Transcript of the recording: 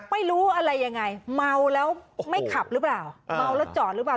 ไม่รู้อะไรยังไงเมาแล้วไม่ขับหรือเปล่าเมาแล้วจอดหรือเปล่า